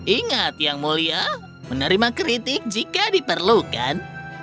ingat yang mulia menerima kritik jika diperlukan